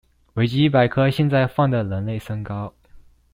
維基百科現在放的人類身高